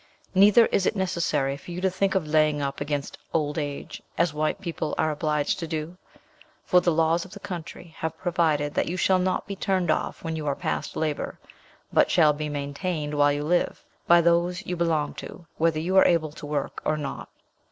Neither is it necessary for you to think of laying up anything against old age, as white people are obliged to do; for the laws of the country have provided that you shall not be turned off when you are past labour, but shall be maintained, while you live, by those you belong to, whether you are able to work or not.